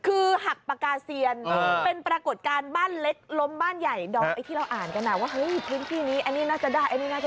คือหักปากาเซียนเป็นปรากฏการณ์บ้านเล็กล้มบ้านใหญ่ดอกที่เราอ่านกันนะว่าพื้นที่นี้น่าจะได้